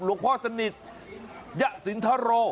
หรือข้อสนิทยะสินทะโร